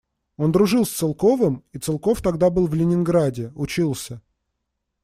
Он дружил с Целковым, и Целков тогда был в Ленинграде, учился.